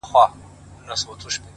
o خوشحال په دې دى چي دا ستا خاوند دی،